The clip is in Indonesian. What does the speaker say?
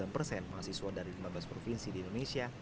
sembilan persen mahasiswa dari lima belas provinsi di indonesia